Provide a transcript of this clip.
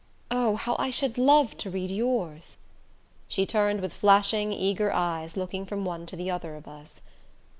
Oh, how I should love to read yours!" She turned with flashing eager eyes, looking from one to the other of us.